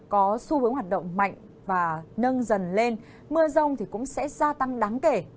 có xu hướng hoạt động mạnh và nâng dần lên mưa rông cũng sẽ gia tăng đáng kể